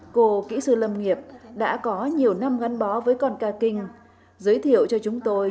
cô kỹ sư lâm nghiệp đã có nhiều năm gắn